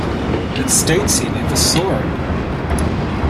It states, He never saw it.